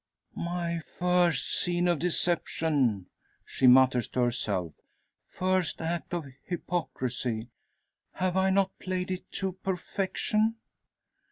"My first scene of deception," she mutters to herself "first act of hypocrisy. Have I not played it to perfection?"